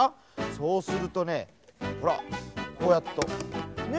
そうするとねほらこうやるとね？